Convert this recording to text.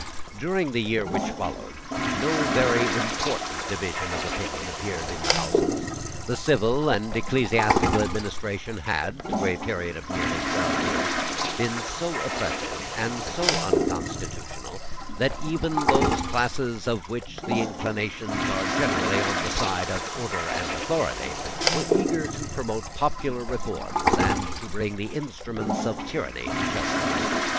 During the year which followed, no very important division of opinion appeared in the Houses. The civil and ecclesiastical administration had, through a period of nearly twelve years, been so oppressive and so unconstitutional that even those classes of which the inclinations are generally on the side of order and authority were eager to promote popular reforms and to bring the instruments of tyranny to justice.